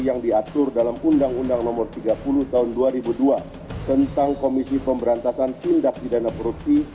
yang diatur dalam undang undang no tiga puluh tahun dua ribu dua tentang komisi pemberantasan tindak pidana korupsi